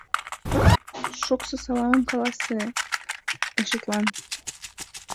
Шокшо саламым каласе ешетлан!»